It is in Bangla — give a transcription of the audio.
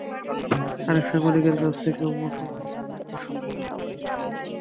আরেক সাংবাদিকের কাছ থেকে মুঠোফোনে চাঁদা দাবি করার অভিযোগ পাওয়া গেছে।